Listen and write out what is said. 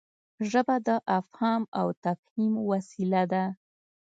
ژبه د افهام او تفهيم وسیله ده.